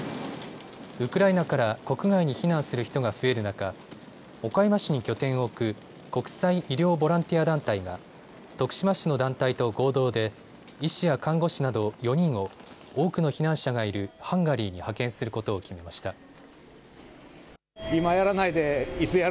ウクライナから国外に避難する人が増える中、岡山市に拠点を置く国際医療ボランティア団体が徳島市の団体と合同で医師や看護師など４人を多くの避難者がいるハンガリーに派遣することを決めました。